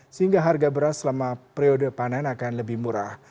sehingga harga beras selama periode panen akan lebih murah